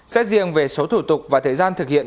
xét riêng về số thủ tục và thời gian thực hiện